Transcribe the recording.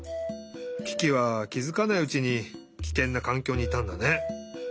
キキはきづかないうちにキケンなかんきょうにいたんだね。